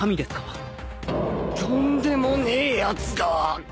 とんでもねえやつだ